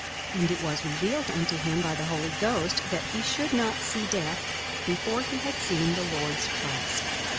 42:002:026 And it was revealed unto him by the Holy Ghost, that he should not see death, before he had seen the Lord's Christ.